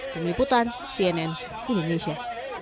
peniputan cnn indonesia